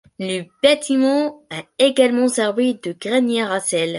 Le bâtiment a également servi de grenier à sel.